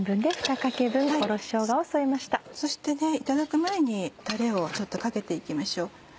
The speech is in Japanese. そしていただく前にたれをちょっとかけて行きましょう。